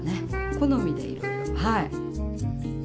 好みでいろいろ。